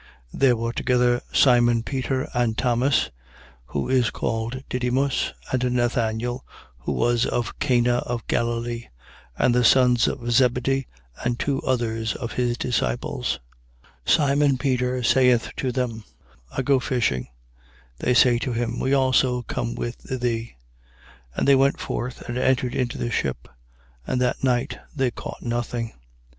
21:2. There were together: Simon Peter and Thomas, who is called Didymus, and Nathanael, who was of Cana of Galilee, and the sons of Zebedee and two others of his disciples. 21:3. Simon Peter saith to them: I go a fishing. They say to him: We also come with thee. And they went forth and entered into the ship: and that night they caught nothing.